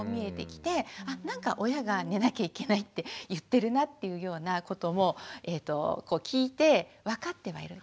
あなんか親が「寝なきゃいけないって言ってるな」っていうようなことも聞いてわかってはいる。